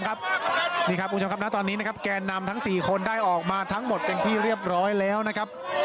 คุณผู้ชมครับณตอนนี้นะครับแกนนำทั้ง๔คนได้ออกมาทั้งหมดเป็นที่เรียบร้อยแล้วนะครับ